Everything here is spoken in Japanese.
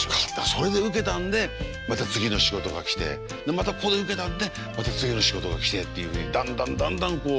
それでウケたんでまた次の仕事が来てまたここでウケたんでまた次の仕事が来てっていうふうにだんだんだんだんこう。